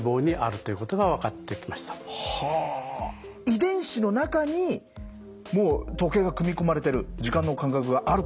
遺伝子の中にもう時計が組み込まれてる時間の感覚があるということなんですか。